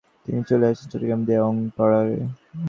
তিনি চলে আসেন চট্টগ্রামের দেয়াঙ পাহাড়ে।